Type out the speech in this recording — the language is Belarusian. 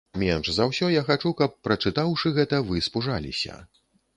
Менш за ўсё я хачу, каб прачытаўшы гэта, вы спужаліся.